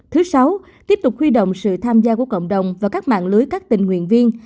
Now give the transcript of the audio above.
thứ sáu tiếp tục huy động sự tham gia của cộng đồng và các mạng lưới các tình nguyện viên